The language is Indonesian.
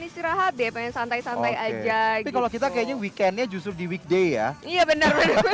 istirahat deh pengen santai santai aja kalau kita kayaknya weekendnya justru di weekday ya iya bener